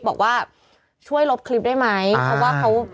บอกว่าช่วยลบคลิปได้ไหมเพราะว่าเขา